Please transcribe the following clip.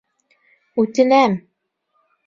Үтенәм!